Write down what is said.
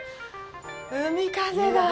海風だぁ！